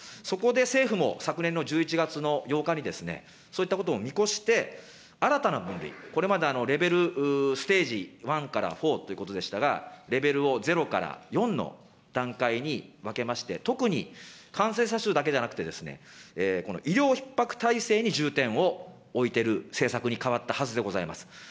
そこで政府も、昨年の１１月の８日に、そういったことも見越して、新たな分類、これまでレベルステージ１から４ということでしたが、レベルを０から４の段階に分けまして、特に感染者数だけではなくて、この医療ひっ迫体制に重点を置いてる政策に変わったはずでございます。